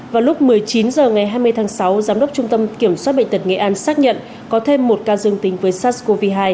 vào lúc một mươi chín h ngày hai mươi tháng sáu giám đốc trung tâm kiểm soát bệnh tật nghệ an xác nhận có thêm một ca dương tính với sars cov hai